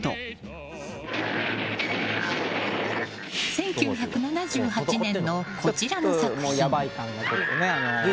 １９７８年の、こちらの作品。